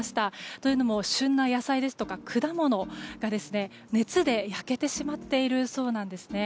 というのも、旬の野菜ですとか果物が熱で焼けてしまっているそうなんですね。